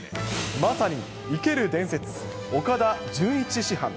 まさに生ける伝説、岡田准一師範。